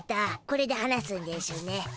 これで話すんでしゅね。